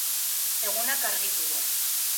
Egunak argitu du